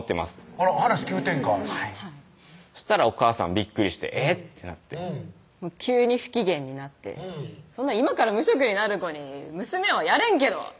あら話急展開はいそしたらおかあさんびっくりして「えぇっ」ってなって急に不機嫌になって「今から無職になる子に娘はやれんけど！」